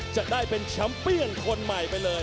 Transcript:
จะได้เป็นแชมป์เปี้ยนคนใหม่ไปเลย